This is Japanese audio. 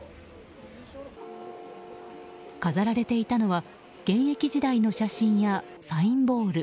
飾られていたのは現役時代の写真やサインボール。